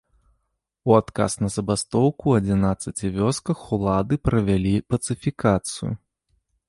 У адказ на забастоўку ў адзінаццаці вёсках улады правялі пацыфікацыю.